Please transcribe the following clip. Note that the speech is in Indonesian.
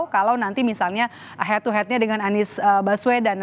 kalau nanti misalnya head to headnya dengan anies baswedan